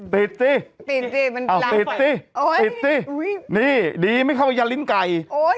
ติดติติดจิเอาติดติดติติดจินี่ดีไม่เข้ายาลิ้นไก่